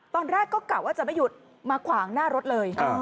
ตอนแรกก็กะว่าจะไม่หยุดมาขวางหน้ารถเลย